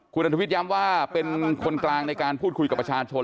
คุณอันทวิตย้ำว่าเป็นคนกลางในการพูดคุยกับประชาชน